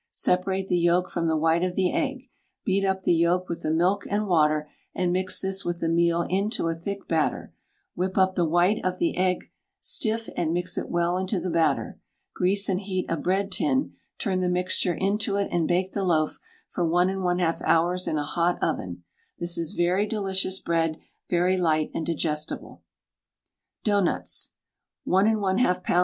Separate the yolk from the white of the egg. Beat up the yolk with the milk and water, and mix this with the meal into a thick batter; whip up the white of the egg stiff, and mix it well into the batter. Grease and heat a bread tin, turn the mixture into it, and bake the loaf for 1 1/2 hours in a hot oven. This is very delicious bread, very light and digestible. DOUGHNUTS. 1 1/2 lbs.